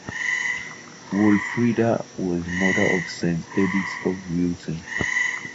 Wolfrida was the mother of Saint Edith of Wilton.